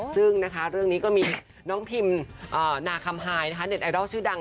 ซึ่งเรื่องนี้ก็มีน้องพิมพ์นาคัมฮายเด็ดไอดอลชื่อดัง